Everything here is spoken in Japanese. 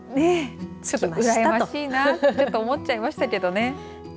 羨ましいなとちょっと思っちゃいましたけど。